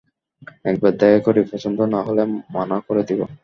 একবার দেখা করি, পছন্দ না হলে মানা করে দিব।